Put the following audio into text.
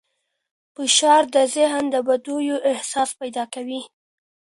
فشار د ذهن د بندېدو احساس پیدا کوي.